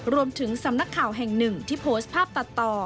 สำนักข่าวแห่งหนึ่งที่โพสต์ภาพตัดต่อ